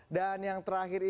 dan yang terakhir ini